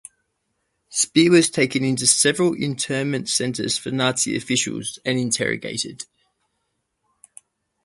Speer was taken to several internment centres for Nazi officials and interrogated.